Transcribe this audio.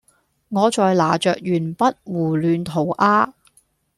我在拿著鉛筆胡亂塗鴉